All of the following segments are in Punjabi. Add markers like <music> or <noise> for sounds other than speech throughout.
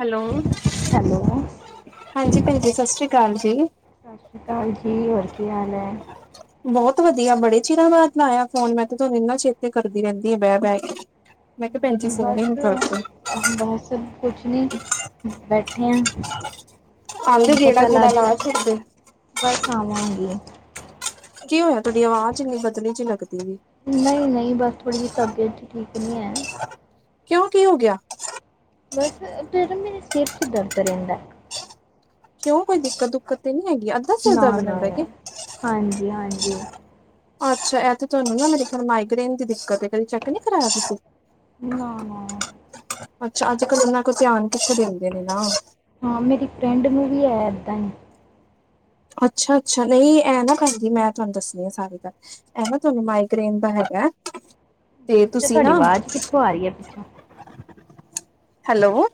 ਹੈਲੋ ਹੈਲੋ ਹਾਂਜੀ ਭੈਣ ਜੀ ਸਸ ਸ੍ਰੀ ਕਾਲ ਜੀ। ਸਸ ਸ੍ਰੀ ਕਾਲ ਜੀ, ਹੋਰ ਕੀ ਹਾਲ ਹੈ। ਬੋਹਤ ਵਧੀਆ ਬੜੇ ਚਿਰਾਂ ਬਾਦ ਲਆਇਆ ਫੋਨ ਮੈਂ ਤੇ ਤੁਹਾਨੂੰ ਇੰਨਾ ਚੇਤੇ ਕਰਦੀ ਰਹਿੰਦੀ ਆ ਬਹਿ-ਬਹਿ ਕੇ। ਮੈਂ ਕਿਹਾ ਭੈਣਜੀ ਜੀ ਫੋਨ ਬਸ ਹੁਣ ਕਰਦੇ। ਬਸ ਕੁਛ ਨੀ ਬੈਠੀ ਹਾਂ। ਆਂਦੇ ਮੈਂ ਕਿਹਾ ਗੇੜਾ ਚੱਲ ਗੂੜਾ ਅੱਜ, ਲਾ ਛੱਡਦੇ। ਬਸ ਆਵਾਂਗੀ। ਕੀ ਹੋਇਆ ਤੁਹਾਡੀ ਆਵਾਜ਼ ਇੰਨੀ ਬਦਲੀ ਚ ਲੱਗਦੀ ਐ। ਨਈ-ਨਈ ਬਸ ਥੋੜ੍ਹੀ ਜਿਹੀ ਤਬੀਅਤ ਠੀਕ ਨੀ ਹੈ। ਕਿਉਂ ਕੀ ਹੋ ਗਿਆ। ਬਸ ਤੇ ਮੇਰੇ ਨਾ ਸਿਰ ਚ ਦਰਦ ਰਹਿੰਦਾ। ਕਿਉਂ ਕੋਈ ਦਿੱਕਤ-ਦੁਕਤ ਤੇ ਨੀ ਹੈਗੀ? ਸਿਰ ਦਰਦ ਨਾ-ਨਾ, ਰਹਿੰਦਾ ਕਿ ਹਾਂਜੀ-ਹਾਂਜੀ। ਅੱਛਾ ਇਹ ਤੇ ਤੁਹਾਨੂੰ ਨਾ ਮੇਰੇ ਖਿਆਲ ਮਾਈਗ੍ਰੇਨ ਦੀ ਦਿੱਕਤ ਹੈ ਕਦੀ ਚੈੱਕ ਨੀ ਕਰਾਇਆ ਤੁਸੀ। ਨਾ-ਨਾ ਅੱਛਾ ਅੱਜ-ਕੱਲ ਉਤਨਾ ਕੁ ਧਿਆਨ ਕਿੱਥੇ ਦੇਂਦੇ ਨੇ ਨਾ। ਹਾਂ ਮੇਰੀ ਫਰੈਂਡ ਨੂੰ ਵੀ ਹੈ ਏਦਾਂ ਹੀ। ਅੱਛਾ-ਅੱਛਾ ਨਹੀਂ ਐ ਨਾ ਕਰਦੀ ਮੈਂ ਤੁਹਾਨੂੰ ਦੱਸਣੀ ਆ ਸਾਰੀ ਗੱਲ। ਇਹ ਤੁਹਾਨੂੰ ਮਾਈਗ੍ਰੇਨ ਦਾ ਹੈਗਾ ਤੇ ਅੱਛਾ ਅੱਛਾ ਤੁਸੀਂ ਤੁਹਾਡੀ ਨਾ ਆਵਾਜ਼ ਕਿੱਥੋਂ ਆ ਰਹੀ ਹੈ ਪਿੱਛੋਂ ਹੈਲੋ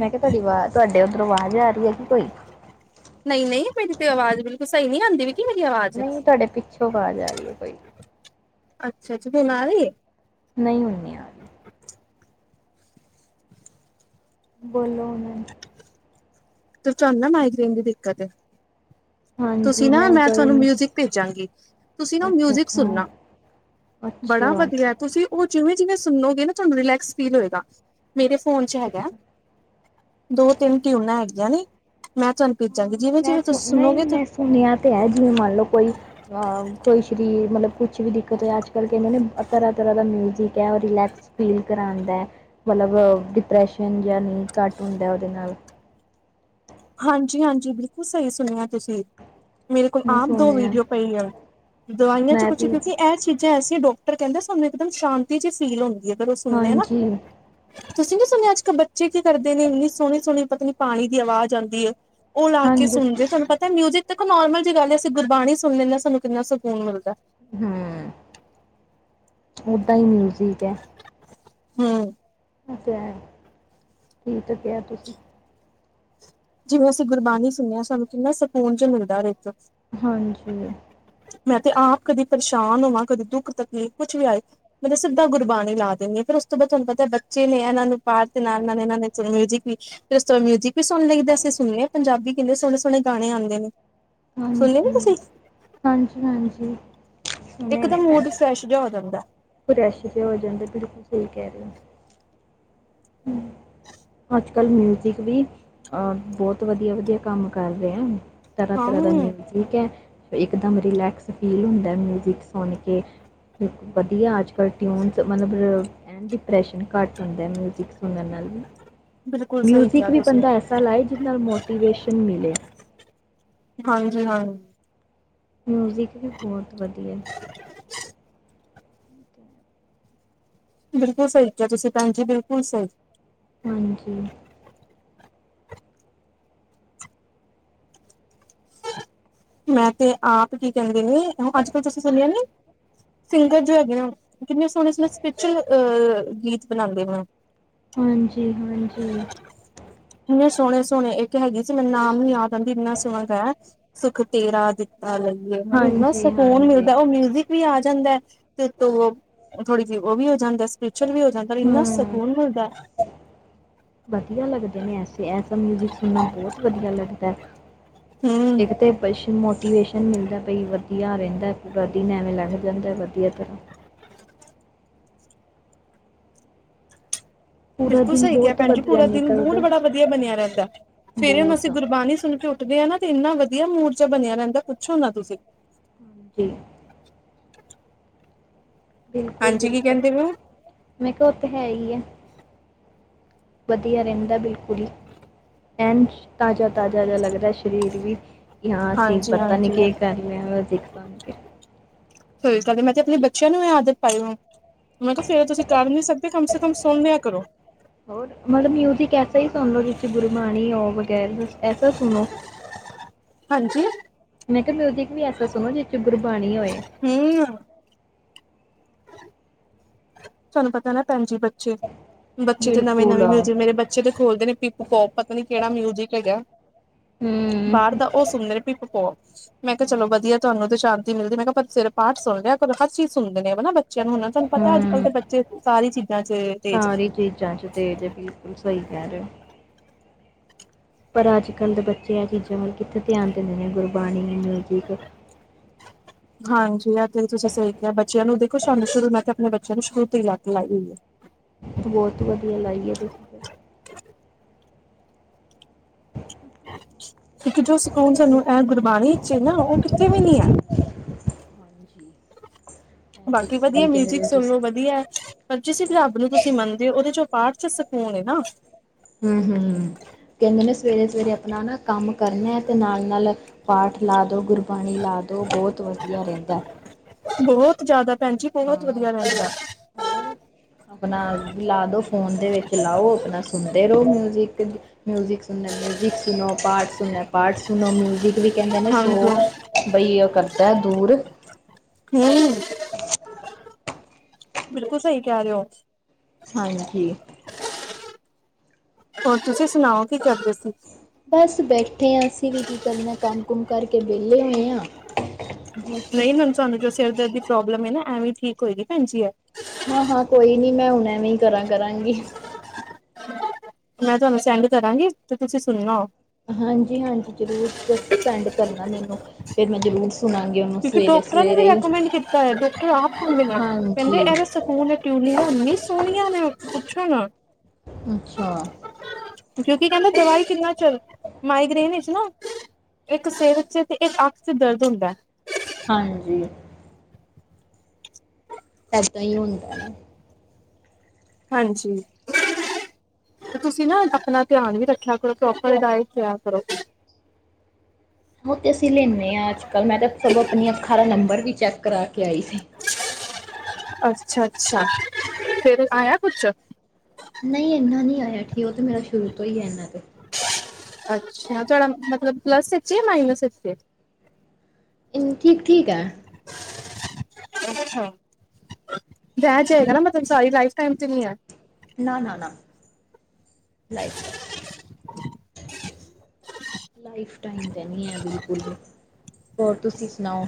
ਮੈਂ ਕਿਹਾ ਤੁਹਾਡੀ ਵਾਜ਼ ਤੁਹਾਡੇ ਉਧਰੋਂ ਵਾਜ਼ ਆ ਰਹੀ ਹੈ ਕਿ ਕੋਈ। ਨਈ-ਨਈ, ਮੇਰੀ ਤੇ ਆਵਾਜ਼ ਬਿਲਕੁਲ ਸਈ ਨੀ ਆਂਦੀ ਵੀ ਕੀ ਮੇਰੀ ਆਵਾਜ਼ ਨਈ, ਤੁਆਡੇ ਪਿੱਛੋਂ ਵਾਜ ਆਰੀ ਏ ਕੋਈ। ਅੱਛਾ-ਅੱਛਾ <unintelligible> ਨਈ ਹੁਨ ਨੀ। ਬੋਲੋ ਹੁਨ। ਫੇਰ ਤੂਹਾਨੂ ਨਾ ਮਾਈਗ੍ਰੇਨ ਦੀ ਦਿੱਕਤ ਏ। ਹਾਂਜੀ ਤੁਸੀਂ ਨਾ, ਮੈਂ ਕੋਈ ਥੂਆਨੂੰ ਨਹੀਂ ਮਿਊਜਿ਼ਕ ਭੇਜਾਂਗੀ। ਤੁਸੀ ਨਾ ਅੱਛਾ ਮਿਊਜ਼ਿਕ ਅੱਛਾ ਸੁਨਾ, ਬੜਾ ਅੱਛਾ ਵਦੀਐ ਤੁਸੀਂ ਓ ਜਿਵੇਂ-ਜਿਵੇਂ ਸੁਨੋਗੇ ਨਾ ਤੁਆਨੂੰ ਰਿਲੈਕਸ ਫੀਲ ਹੋਏਗਾ, ਮੇਰੇ ਫੋਨ ਚ ਅੱਛਾ ਹੈਗੈ। ਅੱਛਾ ਦੋ ਤਿੰਨ ਟਿਊਨਾਂ ਹੈਗੀਆਂ ਨੇ, ਮੈਂ ਤੁਹਾਨੂੰ ਭੇਜਾਂਗੀ, ਜਿਵੇਂ-ਜਿਵੇਂ ਤੁਸੀਂ ਸੁਣੋਗੇ ਹੁੰਨੀਆਂ ਤੇ ਹੈ, ਜਿਵੇਂ ਮਾੰਨ ਲੋ ਕੋਈ ਆ, ਕੋਈ ਸ਼ਰੀਰ ਮਲਬ ਕੁਛ ਵੀ ਦਿੱਕਤ ਆੱਜ-ਕਲ ਕੈਂਦੇ ਤਰਾਂ-ਤਰਾਂ ਦਾ ਮਿਊਜਿਕ ਐ ਰਿਲੈਕਸ ਫੀਲ ਕਰਾਂਦੈ, ਮਲਬ ਡਿਪਰੈਸ਼ਨ ਜਾ ਨਈ ਘਾੱਟ ਹੁੰਦੈ ਓਦੇ ਨਾਲ। ਹਾਂਜੀ-ਹਾਂਜੀ, ਬਿਲਕੁਲ ਸਈ ਸੁਨੇਆ ਤੁਸੀ। ਮੇਰੇ ਕੋਲ ਮੈਂ ਆਮ ਦੋ ਸੁਣਿਆ ਵੀਡੀਓ ਪਈ ਐਂ, ਦਵਾਈਆਂ ਚ ਮੈਂ ਕੁਛ ਵੀ ਕਿਉਕੀ ਐ ਚੀ ਗਏ ਐਸੀੇ ਡੋਕਟਰ ਕੈਂਦੇ ਸਾਨੂੰ ਏਕ ਦਮ ਸ਼ਾਂਤੀ ਚ ਫੀਲ ਹੋਂਦੀ ਏ ਜਦੋ ਸੁਨੇ ਨਾ। ਹਾਂਜੀ ਤੁਸੀ ਨੀ ਸੁਨੇਆ ਆੱਜ-ਕੱਲ ਬੱਚੇ ਕੀ ਕਰਦੇ ਨੇ, ਇੰਨੀ ਸੋਣੀ-ਸੋਣੀ ਪਤਾ ਨੀ ਪਾਣੀ ਦੀ ਅਵਾਜ ਆਂਦੀ ਏ। ਓ ਲਾ ਕੇ ਹਾਂਜੀ ਸੁਨਦੇ ਥੋਨੂ ਪਤੈ ਮਿਊਜੀ਼ਕ ਦੇਖੋ ਨੋਰਮਲ ਜੀ ਗਾੱਲ ਏ ਅਸੀ ਗੁਰਬਾਣੀ ਸੁਨ ਲੇਨੇ ਆਂ ਸਾਨੂੰ ਕਿੰਨਾ ਸਕੂਨ ਮਿਲਦਾ ਐ। ਹੂੰ, ਓਦਾਂ ਈ ਮਿਊਜ਼ਿਕ ਐ। ਹੂੰ। ਓ ਤੇ ਹੈ, ਠੀਕ ਕੇਆ ਤੂਸੀ। ਜਿਵੇਂ ਅਸੀਂ ਗੁਰਬਾਨੀ ਸੁਨੇ ਆਂ ਸਾਨੂੰ ਕਿੰਨਾ ਸਕੂਨ ਜਾ ਮਿਲਦੈ ਅਰ ਏੱਕ। ਹਾਂਜੀ। ਮੈਂ ਤੇ ਆਪ ਕਦੇ ਪਰਸ਼ਾਨ ਹੋਵਾਂ ਕਦੇ ਦੁੱਖ ਤਕਲੀਫ਼ ਕੁਛ ਵੀ ਆਏ ਮੈਂ ਤਾ ਸਿੱਦਾ ਗੁਰਬਾਣੀ ਲਾ ਦੇਂਨੀ ਆ ਫੇਰ ਓਸ ਤੋਂ ਬਾਦ ਤੁਹਾਨੂੰ ਪਤੈ ਬੱਚੇ ਨੇ ਏਨਾਂ ਨੂੰ ਪਾਠ ਦੇ ਨਾਲ-ਨਾਲ ਏਨਾਂ ਨੇ ਮਿਊਜ਼ਿਕ ਵੀ ਫੇਰ ਓਸ ਤੋਂ ਮਿਊਜ਼ਿਕ ਵੀ ਸੁਨ ਲਈ ਦਾ ਅਸੀਂ ਸੁਨੇ ਆ ਪੰਜਾਬੀ ਕਿੰਨੇ ਸੋਣੇ-ਸੋਣੇ ਗਾਣੇ ਆਂਦੇ ਨੇ। ਸੁਣਨੇ ਨੀ ਹਾਂਜੀ, ਤੁਸੀਂ ਹਾਂਜੀ-ਹਾਂਜੀ। ਇੱਕ ਦਮ ਮੂਡ ਫ੍ਰੈਸ਼ ਜਾ ਹੋ ਜਾਂਦੈ। ਫ੍ਰੈਸ਼ ਜਾ ਹੋ ਜਾਂਦੈ, ਬਿਲਕੁਲ ਸਈ ਕੈ ਰੇ ਓ। ਹੂੰ। <inaudible> ਆੱਜ-ਕਾੱਲ ਮਿਊਜ਼ਿਕ ਵੀ ਅ, ਬੋਤ ਵਦੀਆ-ਵਦੀਆ ਕਾੰਮ ਕਾਰ ਰਏ ਆ। ਤਰਾ ਤਰਾ ਦਾ ਹਾਂ ਮਿਊਜ਼ਿਕ ਐ, ਏਕ ਦਮ ਰਿਲੈਕਸ ਫੀਲ ਹੁੰਦੈ ਮਿਊਜੀ਼ਕ ਸੁਣ ਕੇ। ਬਿਲਕੁਲ ਬਦੀਆ ਆੱਜ-ਕਾਲ ਟਿਊਨਸ ਮਲਬ, ਐਨ ਡਿਪ੍ਰੈਸ਼ਨ ਘਾੱਟ ਹੁੰਦੈ ਮਿਊ <unintelligible> ਬਿਲਕੁਲ ਸਹੀ ਮਿਊਜ਼ਿਕ ਕਿਹਾ ਵੀ ਤੁਸੀਂ ਬੰਦਾ ਐਸਾ ਲਾਏ ਜਿਦੇ ਨਾਲ ਮੋਟੀਵੇਸ਼ਨ ਮਿਲੇ। ਹਾਂਜੀ, ਹਾਂ। ਮਿਊਜ਼ਿਕ ਵੀ ਬੋਹਤ ਵਦੀਐ। ਅਤੇ <unintelligible> ਬਿਲਕੁਲ ਸਈ ਕੇਆ ਤੁਸੀਂ ਭੈਨਜੀ, ਬਿਲਕੁਲ ਸਈ। ਹਾਂਜੀ। ਮੈਂ ਤੇ ਆਪ ਕੀ ਕੋਂਦੇ ਨੇ ਅ ਆਜ-ਕਾੱਲ ਤੁਸੀਂ ਸੁਨੇਆ ਨੀ, ਸਿੰਗਰ ਜੋ ਹੈਗੇ ਆਂ ਕਿੰਨੇ ਸੋਣੇ-ਸੋਣੇ ਸਿਪਚਲ ਅ, ਗੀਤ ਬਨਾਂਦੇ ਨੇ। ਹਾਂਜੀ-ਹਾਂਜੀ। ਇੰਨੇ ਸੋਣੇ-ਸੋਣੇ ਇੱਕ ਹੈਗੀ ਸੀ, ਮੈਨ ਨਾਮ ਨੀ ਯਾਦ ਆਂਦੀ ਇੰਨਾ ਸੋਣਾ ਗਾਯਾ। ਸੁਖ ਤੇਰਾ ਦਿੱਤਾ ਲਈਏ, ਮੈਨੂੰ ਇੰਨਾ ਹਾਂਜੀ, ਸਕੂਨ ਹਾਂਜੀ, ਮਿਲਦਾ ਓ ਮਿਊਜ਼ਿਕ ਵੀ ਆ ਜਾਂਦੈ, ਤੇ ਉਤੋਂ ਓ ਥੋੜੀ ਜੀ ਓ ਵੀ ਹੋ ਜਾਂਦੈ <unintelligible> ਵੀ ਹੋ ਜਾਂਦੈ ਔਰ ਇੰਨਾ ਹੂੰ, ਸਕੂਨ ਮਿਲਦੈ। ਵਦੀਆ ਲੱਗਦੇ ਨੇ ਐਸੇ, ਐਸਾ ਮਿਊਜ਼ਿਕ ਸੁਨਾ ਬੋਤ ਵਦੀਆ ਲੱਗਦੈ। ਹੂੰ। ਬਸ਼ ਮੋਟੀਵੇਸ਼ਨ ਮਿਲਦਾ ਭਈ, ਵਧੀਆ ਰਹਿੰਦਾ, ਪੂਰਾ ਦਿਨ ਐਵੇਂ ਲੰਘ ਜਾਂਦਾ, ਵਧੀਆ ਤਰ੍ਹਾਂ। ਪੂਰਾ ਬਿਲਕੁਲ ਦਿਨ ਸਹੀ ਕਿਹਾ ਬਹੁਤ ਭੈਣ ਜੀ, ਵਧੀਆ ਪੂਰਾ ਦਿਨ ਨਿਕਲਦਾ ਬਹੁਤ ਬੜਾ ਵਧੀਆ ਬਣਿਆ ਰਹਿੰਦਾ, ਫਿਰ ਬਹੁਤ ਅਸੀਂ ਗੁਰਬਾਣੀ ਸੁਣ ਕੇ ਉੱਠਦੇ ਆ ਨਾ ਤੇ, ਇੰਨਾ ਵਧੀਆ ਮੂਡ ਜਿਹਾ ਬਣਿਆ ਰਹਿੰਦਾ, ਪੁੱਛੋ ਨਾ ਤੁਸੀਂ ਜੀ <unintelligible> ਬਿਲਕੁਲ ਹਾਂਜੀ ਕੀ -ਬਿਲਕੁਲ। ਕਹਿੰਦੇ ਪਏ ਓ? ਮੈਂ ਕਿਹਾ, ਉਥ ਹੈ ਹੀ ਆ,। ਵਧੀਆ ਰਹਿੰਦਾ ਬਿਲਕੁਲ ਹੀ। ਐਂਜ ਤਾਜ਼ਾ -ਤਾਜ਼ਾ ਜਿਹਾ ਲੱਗਦਾ ਸ਼ਰੀਰ ਵੀ, ਕਿ ਹਾਂ ਅਸੀਂ ਪਤਾ ਨੀ ਹਾਂਜੀ-ਹਾਂਜੀ ਕੀ ਕਰ <unintelligible> ਸਹੀ ਗੱਲ, ਮੈਂ ਤੇ ਆਪ ਬੱਚਿਆਂ ਨੂੰ, ਇਹ ਆਦਤ ਪਾਈ ਹੈ। ਮੈਂ ਕਿਹਾ ਸਵੇਰੇ ਤੁਸੀਂ ਕਰ ਨੀ ਸਕਦੇ, ਕਮ ਸੇ ਕਮ ਸੁਣ ਲਿਆ ਕਰੋ। ਹੋਰ, <unintelligible> ਸਹੀ ਸੁਣ ਲਉ, ਜਿਸ ਚ ਗੁਰਬਾਣੀ ਹੋਓ ਵਗੈਰ ਐਸਾ ਸੁਣੋ। ਹਾਂਜੀ? ਮੈਂ ਕਿਹਾ, ਮਿਊਜਿਕ ਵੀ ਐਸਾ ਸੁਣੋ, ਜਿਸ ਚ ਗੁਰਬਾਣੀ ਹੋਏ। <inaudible> ਤੁਹਾਨੂੰ, ਪਤਾ ਨਾ ਭੈਣ ਜੀ, ਬੱਚੇ, ਬੱਚੇ ਤੇ ਨਵੇਂ -ਨਵੇਂ ਮਿਊਜਿਕ ਮੇਰੇ ਬੱਚੇ ਤੇ ਖੋਲਦੇ ਨੇ, ਪਿਕ - ਪੋਕ, ਪਤਾ ਨੀ ਕਿਹੜਾ ਮਿਊਜਿਕ ਹੈਗਾ ਬਾਹਰ ਦਾ, ਉਹ ਸੁਣਦੇ ਨੇ ਪਿਕ-ਪੋਕ। ਮੈਂ ਕਿਹਾ, ਚਲ ਵਧੀਆ, ਤੁਹਾਨੂੰ ਤਾਂ ਸ਼ਾਂਤੀ ਮਿਲਦੀ, ਮੈਂ ਕਿਹਾ, ਪਰ ਸਵੇਰੇ ਪਾਠ ਸੁਣ ਲਿਆ ਕਰੋ। ਹਰ ਚੀਜ਼ ਸੁਣਦੇ ਨੇ <unintelligible> ਬੱਚਿਆਂ ਨੂੰ ਹੁੰਦਾ ਤੁਹਾਨੂੰ ਪਤਾ ਅੱਜ- ਕੱਲ੍ਹ ਹਮ ਦੇ ਬੱਚੇ ਸਾਰੀ ਚੀਜ਼ਾਂ ਚ ਤੇਜ਼ ਨੇ। ਸਾਰੀ ਚੀਜ਼ਾਂ ਚ <unintelligible> ਬਿਲਕੁਲ ਸਹੀ ਕਹਿ ਰਹੇ ਹੋ ਪਰ, ਅੱਜ -ਕੱਲ ਦੇ ਬੱਚੇ ਇਹ ਚੀਜ਼ਾਂ ਵੱਲ, ਕਿੱਥੇ ਧਿਆਨ ਦਿੰਦੇ ਨੇ, <unintelligible> ਹਾਂਜੀ, ਆ ਤੇ ਤੁਸੀਂ ਸਹੀ ਕਿਹਾ, ਬੱਚਿਆਂ ਨੂੰ ਦੇਖੋ, ਸਾਨੂੰ ਸ਼ੁਰੂ, ਮੈੰ ਤੇ ਅਪਣੇ ਬੱਚਿਆਂ ਨੂੰ, ਸ਼ੁਰੂ ਤੋਂ ਹੀ ਲਤ ਲਾਈ ਹੋਈ ਹੈ। ਬਹੁਤ ਵਧੀਆ ਲਾਈ ਹੈ ਤੁਸੀਂ। ਫਿਰ ਕਿਉਂਕਿ ਜੋ, ਸਕੂਨ ਸਾਨੂੰ ਇਹ ਗੁਰਬਾਣੀ ਚ ਏ ਨਾ, ਉਹ ਕਿੱਤੇ ਵੀ ਨੀ ਹੈ। ਹਾਂਜੀ। ਇਹ ਤਾਂ ਬਾਕੀ ਵਧੀਆ, ਸਹੀ ਕਹਿ ਰਹੇ ਮਿਊਜਿਕ ਹੋ ਸੁਣ ਲੋ ਤੁਸੀਂ ਵਧੀਆ। ਪਰ, ਜਿਸ ਵੀ ਰੱਬ ਨੂੰ ਤੁਸੀਂ ਮੰਨਦੇ ਹੋ, ਉਹਦੇ ਚ ਪਾਠ ਸਕੂਨ ਨਾ। ਹੂੰ -ਹੂੰ। ਕਹਿੰਦੇ ਨੇ ਸਵੇਰੇ-ਸਵੇਰੇ ਆਪਣਾ ਕੰਮ ਕਰਨਾ ਹੈ, ਅਤੇ ਨਾਲ-ਨਾਲ ਪਾਠ ਲਾ ਦਿਉ। ਗੁਰੂ- ਬਾਣੀ ਲਾ ਦੋ, ਬਹੁਤ ਵਧੀਆ ਰਹਿੰਦਾ। ਬਹੁਤ, ਜਿਆਦਾ ਭੈਣ ਜੀ। ਬਹੁਤ ਹਾਂ, ਵਧੀਆ ਰਹਿੰਦਾ ਹੋਰ। ਆਪਣਾ, ਲਾ ਦੋ ਫੋਨ ਦੇ ਵਿੱਚ ਲਾਓ, ਆਪਣਾ ਸੁਣਦੇ ਰਹੋ ਮਿਊਜਿਕ- ਮਿਊਜਿਕ। ਸੁਣੋ ਮਿਊਜਿਕ ਸੁਣੋ, ਪਾਠ ਸੁਣਨਾ, ਪਾਠ ਸੁਣੋ, ਮਿਊਜਿਕ ਵੀ ਕਹਿੰਦੇ ਨੇ ਸੋ ਹਾਂਜੀ ਬਈ, ਯੇ ਕਰਤਾ ਹੈ, ਦੂਰ। <unintelligible> <unintelligible> ਬਿਲਕੁਲ ਸਹੀ, ਕਹਿ ਰਹੇ ਹੋ। ਹਾਂਜੀ। ਹੋਰ ਤੁਸੀਂ ਸੁਣਾਓ, ਕੀ ਕਰਦੇ ਸੀ? ਬਸ ਬੈਠੇ ਹਾਂ, ਅਸੀਂ ਵੀ ਕੀ ਕਰਨਾ, ਕੰਮ ਕੁਮ ਕਰਕੇ ਵਿਹਲੇ ਹੋਏ ਹਾਂ। ਬਸ ਨਹੀਂ, ਮੈਨੂੰ, ਤੁਹਾਨੂੰ ਜੋ ਸਿਰ ਦਰਦ ਦੀ ਪ੍ਰੋਬਲਮ ਹੈ ਨਾ, ਐਵੇ ਈ, ਠੀਕ ਹੋਏਗੀ ਭੈਣ ਜੀ। ਹਾਂ- ਹਾਂ ਕੋਈ ਨੀ, ਮੈਂ ਹੁਣ ਐਵੇ ਕਰਾਂ ਕਰਾਂਗੀ। ਮੈਂ, ਤੁਹਾਨੂੰ ਸੈਂਡ ਕਰਾਂਗੀ ਤੇ, ਤੁਸੀਂ ਸੁਣਨਾ ਉਹ। ਹਾਂਜੀ- ਹਾਂਜੀ, ਜ਼ਰੂਰ ਸੈਂਡ ਕਰਨਾ, ਮੈਨੂੰ ਫਿਰ ਮੈਂ ਜ਼ਰੂਰ ਸੁਣਾਂਗੀ ਉਹਨੂੰ ਕਿਉਂਕਿ, ਸਵੇਰੇ ਡਾਕਟਰਾਂ ਨੇ ਵੀ, ਸਵੇਰੇ ਹੀ ਰੈਕਮੈਂਡ ਕੀਤਾ ਹੈ, ਡਾਕਟਰ ਆਪ ਕਹਿੰਦੇ ਨੇ, ਹਾਂਜੀ ਕਹਿੰਦੇ ਸਕੂਲ, <unintelligible> ਇੰਨੀ ਸੋਹਣੀਆਂ ਨੇ, ਪੁੱਛੋ ਨਾ। ਅੱਛਾ। ਕਿਉਂਕਿ ਕਹਿੰਦਾ, ਦਵਾਈ ਕਿੰਨਾ ਚਿਰ, ਮਾਈਗ੍ਰੇਨ ਵਿਚ ਨਾ ਇੱਕ ਸਿਰ, ਚ ਤੇ ਇੱਕ ਅੱਖ ਚ, ਦਰਦ ਹੁੰਦਾ। ਹਾਂਜੀ। ਇੱਦਾਂ, ਹੀ ਹੁੰਦਾ ਨਾ। ਹਾਂਜੀ। ਤੇ, ਤੁਸੀਂ ਨਾ ਆਪਣਾ, ਧਿਆਨ ਵੀ ਰੱਖਿਆ ਕਰੋ, ਪ੍ਰੋਪਰ ਡਾਈਟ ਲਿਆ ਕਰੋ। ਉਹ ਤੇ, ਅਸੀਂ ਲੈਂਨੇ ਆਂ ਅੱਜ- ਕੱਲ੍ਹ, ਮੈਂ ਤਾਂ ਸਗੋਂ ਆਪਣੀਆਂ ਅੱਖਾਂ ਦਾ ਨੰਬਰ ਵੀ ਚੈੱਕ ਕਰਾ ਕੇ ਆਈ ਸੀ। ਅੱਛਾ-ਅੱਛਾ, ਫਿਰ ਆਇਆ ਕੁਛ? ਨਹੀਂ ਇੰਨਾ ਨਹੀਂ ਆਇਆ, ਠੀ ਉਹ ਤੇ, ਮੇਰਾ ਸ਼ੁਰੂ ਤੋਂ ਹੀ ਹੈ, ਇਹਨਾਂ ਕ ਅੱਛਾ, ਤੁਹਾਡਾ ਮਤਲਬ, ਪਲੱਸ ਵਿੱਚ ਏ ਯਾ, ਮਾਈਨਸ ਵਿੱਚ ਏ। ਅ, ਠੀਕ-ਠੀਕ ਹੈ। <unintelligible> ਅੱਛਾ। ਬੈਚ ਹੈਏਗਾ ਨਾ, ਮਤਲਬ ਸਾਰੀ ਲਾਈਫ ਟਾਈਮ ਤੇ ਨੀ ਹੈ। ਨਾ- ਨਾ, ਨਾ ਲਾਈਫ ਨੀ ਐ। ਲਾਈਫ ਟਾਈਮ, ਤੇ ਨਈ ਐ ਬਿਲਕੁਲ ਵੀ। ਹੋਰ, ਤੁਸੀਂ ਸੁਨਾਓ?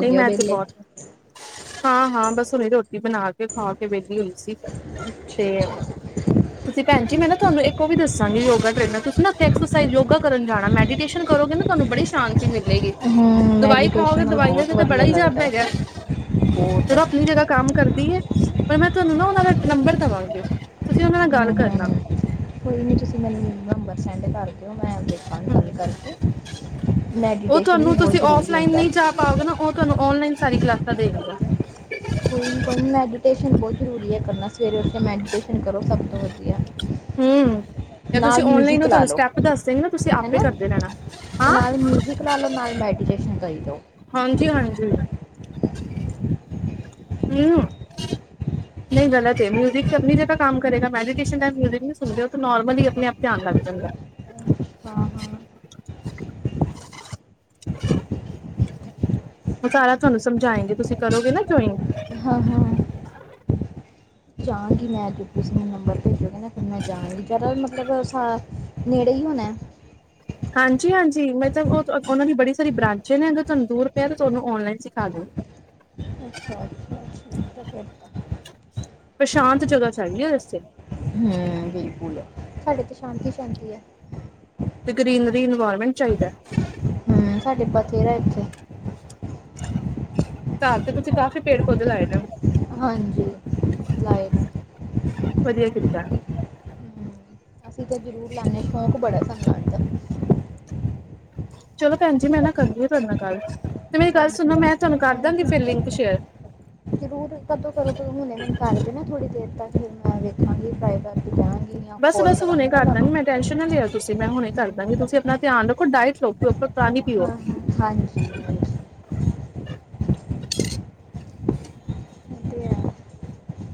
ਨਹੀਂ, ਮੈਂ ਤੇੇ ਬਹੁਤ ਹਾਂ। ਹਾਂ-ਹਾਂ, ਬਸ ਹੁਣੀ ਰੋਟੀ ਬਣਾ ਕੇ, ਖਾ ਕੇ ਵਿਹਲੀ ਹੋਈ ਸੀ। ਤੇ ਅੱਛਾ ਅੱਛਾ ਤੁਸੀਂ ਭੈਣ ਜੀ, ਮੈਂ ਨਾ ਤੁਹਾਨੂੰ ਇੱਕ ਉਹ ਵੀ ਦੱਸਾਂਗੀ, ਯੋਗਾ ਟ੍ਰੇਨਰ ਤੁਸੀਂ ਨਾ ਉੱਥੇ ਐਕਸਰਸਾਈਜ਼ ਯੋਗਾ ਕਰਨ ਜਾਣਾ, ਮੈਡੀਟੇਸ਼ਨ ਕਰੋਗੇ ਨਾ ਤੁਹਾਨੂੰ, ਬੜੀ ਸ਼ਾਂਤੀ ਮਿਲੇਗੀ। ਹਮ ਦਵਾਈ ਮੈਡੀਟੇਸ਼ਨ ਖਾਓਗੇ ਨਾਲ ਦਵਾਈਆਂ ਬਹੁਤ ਏ ਤਾਂ, ਬੜਾ ਵਧੀਆ ਹੀ ਯਬ ਲੱਗਦਾ ਹੈਗਾ, ਬਹੁਤ ਜਦੋਂ ਹਮ ਆਪ- ਜਗ੍ਹਾ ਕੰਮ ਕਰਦੀ ਐ, ਪਰ ਮੈਂ ਤੁਹਾਨੂੰ ਨਾ, ਉਹਨਾਂ ਦਾ ਨੰਬਰ ਦੇਵਾਂਗੀ। ਤੁਸੀਂ ਉਹਨਾਂ ਨਾਲ ਹੂੰ ਗੱਲ ਕਰਨਾ -ਹੂੰ ਕੋਈ ਨੀ, ਤੁਸੀਂ ਮੈਨੂੰ ਨੰਬਰ ਸੈਂਡ ਕਰ ਦਿਓ। ਮੈਂ ਵੇਖ ਹਮ, ਉਹ ਮੈਡੀਟੇਸ਼ਨ ਵੀ ਤੁਹਾਨੂੰ ਬਹੁਤ ਤੁਸੀਂ ਜ਼ਰੂਰੀ ਆਫਲਾਈਨ ਹੁੰਦਾ ਨਹੀਂ, ਜਾ ਪਾਓਗੇ ਨਾ ਉਹ, ਤੁਹਾਨੂੰ, ਔਨਲਾਈਨ ਸਾਰੀ ਕਲਾਸਾਂ ਦੇਗਾ ਉਹ। ਕੋਈ ਨਹੀਂ -ਕੋਈ ਨਹੀਂ, ਮੈਡੀਟੇਸ਼ਨ ਬਹੁਤ ਜ਼ਰੂਰੀ ਹੈ, ਕਰਨਾ। ਸਵੇਰੇ, ਉੱਠ ਕੇ ਮੈਡੀਟੇਸ਼ਨ ਕਰੋ, ਸਭ ਤੋਂ ਵਧੀਆ। ਤੇ ਤੁਸੀਂ, ਨਾਲ ਔਨਲਾਈਨ ਮਿਊਜ਼ਿਕ ਉਹ ਲਾ ਤੁਹਾਨੂੰ ਲਓ ਸਟੈਪ ਦੱਸਗੀ ਨਾ, ਤੁਸੀਂ ਆਪੇ ਹੈਨਾ ਕਰਦੇ ਰਹਿਣਾ, ਹਾਂ। ਨਾਲ ਮਿਊਜ਼ਿਕ ਲਾ ਲਓ, ਨਾਲ ਮੈਡੀਟੇਸ਼ਨ ਕਰ ਲਓ। ਹਾਂਜੀ -ਹਾਂਜੀ। ਹੂੰ। ਨਹੀਂ ਗ਼ਲਤ ਹੈ, ਮਿਊਜ਼ਿਕ ਆਪਣੀ ਜਗ੍ਹਾ ਕੰਮ ਕਰੇਗਾ, ਮੈਡੀਟੇਸ਼ਨ ਟਾਈਮ ਮਿਊਜ਼ਿਕ ਨਹੀਂ ਸੁਣਦੇ, ਉਹ ਤਾਂ ਨੋਰਮਲੀ ਆਪ ਧਿਆਨ ਲੱਗ ਜਾਂਦਾ। <unintelligible> ਉਹ ਸਾਰਾ, ਤੁਹਾਨੂੰ ਸਮਝਾਏਂਗੇ, ਤੁਸੀਂ ਕਰੋਗੇ ਨਾ ਜੁਆਇਨ? ਹਾਂ- ਹਾਂ। ਜਾਵਾਂਗੀ ਮੈਂ ਤੇ, ਤੁਸੀਂ ਨੰਬਰ ਭੇਜੋਗੇ ਨਾ, ਫਿਰ ਮੈਂ ਜਾਣਾ। ਜਦੋਂ ਵੀ, ਮਤਲਬ ਸਾ ਨੇੜੇ ਈ ਹੋਣਾ। ਹਾਂਜੀ- ਹਾਂਜੀ, ਮਤਲਬ ਉਹ ਉਹਨਾਂ ਦੀ ਬੜੀ ਸਾਰੀ ਬ੍ਰਾਂਚੇ ਨੇ, ਅਗਰ ਤੁਹਾਨੂੰ ਦੂਰ ਪਿਆ ਤਾਂ, ਤੁਹਾਨੂੰ ਔਨਲਾਈਨ ਸਿਖਾ ਦੇਣਗੇ। ਅੱਛਾ- ਅੱਛਾ, ਠੀਕ ਹੈ, ਫਿਰ ਤਾਂ। ਪਰ ਸ਼ਾਂਤ ਜਗ੍ਹਾ ਚਾਹੀਦੀ ਆ, ਇਹਦੇ ਵਾਸਤੇ। ਹਮ, ਬਿਲਕੁਲ ਸਾਡੇ ਤਾਂ, ਸ਼ਾਂਤੀ -ਸ਼ਾਂਤੀ ਹੈ। ਤੇ, ਗਰੀਨਰੀ ਇਨਵਾਇਰਮੈਂਟ ਚਾਹੀਦਾ। ਹਮ, ਸਾਡੇ ਬਥੇਰਾ ਇੱਥੇ। ਘਰ ਤੇ, ਤੁਸੀਂ ਕਾਫ਼ੀ ਪੇੜ -ਪੌਦੇ ਲਾਏ ਨੇ। ਹਾਂਜੀ। ਲਾਏ ਨੇ <unintelligible> ਵਧੀਆ ਕੀਤਾ। ਹੂੰ, ਅਸੀਂ ਤਾਂ, ਜ਼ਰੂਰ ਲਾਂਨੇ, ਸ਼ੌਕ ਬੜਾ ਸਾਨੂੰ <unintelligible> ਚਲੋ ਭੈਣ ਜੀ, ਮੈਂ ਨਾ ਕਰਦੀ ਹਾਂ, ਤੁਹਾਡੇ ਨਾਲ ਗੱਲ ਤੇ ਮੇਰੀ ਗੱਲ ਹਾਂਜੀ ਸੁਣੋ, ਮੈਂ ਤੁਹਾਨੂੰ ਕਰ ਦਾਂਗੀ ਫਿਰ ਹਾਂਜੀ ਲਿੰਕ ਸ਼ੇਅਰ। ਜ਼ਰੂਰ ਕਦੋਂ ਕਰੋ? ਤੁਸੀ ਹੁਨੇ ਮੈਨੂੰ ਕਰ ਦੇਨਾ, ਥੋੜੀ ਦੇਰ ਤੱਕ। ਫਿਰ ਮੈਂ ਵੇਖਾਂਗੀ, <unintelligible> ਬਸ- ਬਸ ਹੁਣੇ ਕਰਾਂਗੀ ਨਾ ਕਰਦਾਂਗੀ ਤੁਹਾਨੂੰ ਮੈਂ, ਹੂੰ, ਟੈਸ਼ਨ ਨਾ ਲਿਆ ਤੁਸੀਂ ਮੈਂ ਹੁਣੇ ਕਰਦਾਂਗੀ ਹਾਂ ਤੁਸੀਂ ਆਪਣਾ ਧਿਆਨ ਰੱਖੋ ਡਾਇਟ ਲਓ ਪ੍ਰੋਪਰ ਪਾਣੀ ਪੀਓ ਹਾਂ ਹਾਂਜੀ ਤਿਆ <unintelligible>